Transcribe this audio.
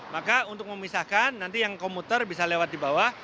maka untuk memisahkan nanti yang komuter bisa lewat di bawah